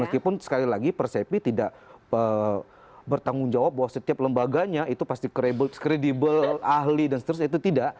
meskipun sekali lagi persepi tidak bertanggung jawab bahwa setiap lembaganya itu pasti kredibel ahli dan seterusnya itu tidak